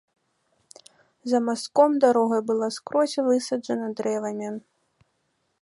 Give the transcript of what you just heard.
За мастком дарога была скрозь высаджана дрэвамі.